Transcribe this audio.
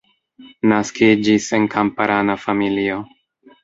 Naskiĝis en kamparana familio.